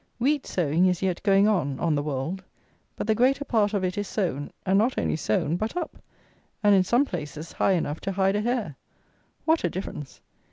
Wheat sowing is yet going on on the Wold; but the greater part of it is sown, and not only sown, but up, and in some places, high enough to "hide a hare." What a difference!